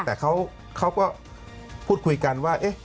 แต่เขาก็พูดคุยกันว่า